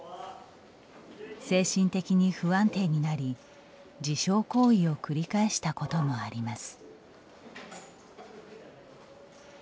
精神的に不安定になり自傷行為を繰り返したこともあります。